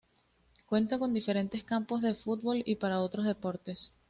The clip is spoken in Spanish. Cuenta con diferentes campos de fútbol y para otros deportes.